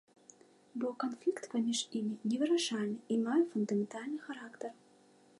Бо канфлікт паміж імі невырашальны і мае фундаментальны характар.